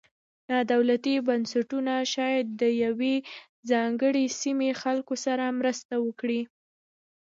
نا دولتي بنسټونه شاید د یوې ځانګړې سیمې خلکو سره مرسته وکړي.